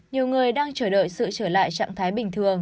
nhiều người đang chờ đợi sự trở lại trạng thái bình thường